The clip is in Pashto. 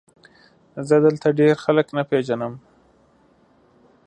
زه دلته ډېر خلک نه پېژنم ؟